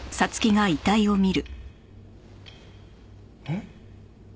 えっ？